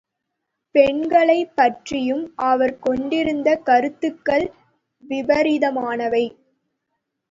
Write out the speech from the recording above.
பெண்களைப் பற்றியும் அவர் கொண்டிருந்த கருத்துக்கள் விபரீதமானவை.